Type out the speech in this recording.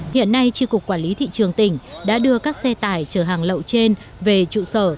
hiện nay tri cục quản lý thị trường tỉnh đã đưa các xe tải chở hàng lậu trên về trụ sở